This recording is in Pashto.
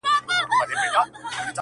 د رنگونو په کتار کي يې ويده کړم~